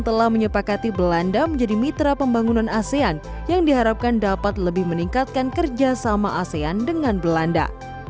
telah menyepakati belanda menjadi mitra pembangunan asean yang diharapkan dapat lebih meningkatkan kerjasama asean dengan belanda